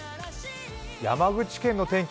山口県の天気